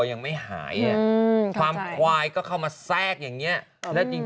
ยังไม่หายความควายก็เข้ามาแทรกอย่างนี้แล้วจริง